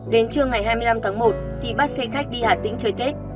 đến trưa ngày hai mươi năm tháng một thì bắt xe khách đi hà tĩnh chơi tết